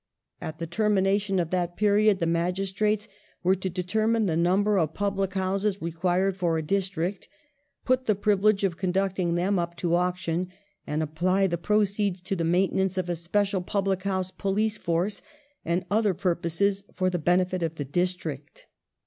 At the termination of that period, the magistrates were to determine the number of public houses required for a dis trict, put the privilege of conducting them up to auction, and apply the proceeds to the maintenance of a special public house police force and other purposes for the benefit of the district.